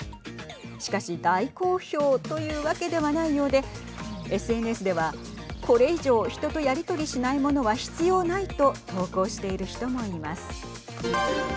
しかし、大好評というわけではないようでＳＮＳでは、これ以上人とやりとりしないものは必要ないと投稿している人もいます。